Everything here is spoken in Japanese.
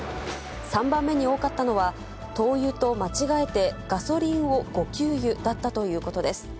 ３番目に多かったのは、灯油と間違えて、ガソリンを誤給油だったということです。